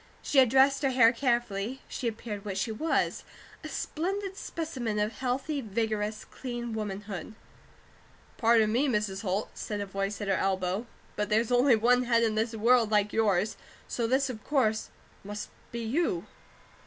She had dressed her hair carefully; she appeared what she was, a splendid specimen of healthy, vigorous, clean womanhood. "Pardon me, Mrs. Holt," said a voice at her elbow, "but there's only one head in this world like yours, so this, of course, must be you."